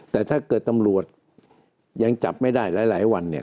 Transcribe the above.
แต่ถ้าเกิดตำรวจยังจับไม่ได้หลายวันเนี่ย